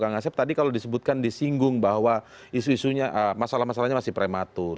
kang asep tadi kalau disebutkan disinggung bahwa isu isunya masalah masalahnya masih prematur